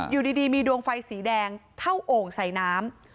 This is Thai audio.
อยู่ดีมีดวงไฟสีแดงเท่าโอ่งใส่น้ำ